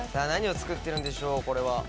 何を作ってるんでしょうこれは。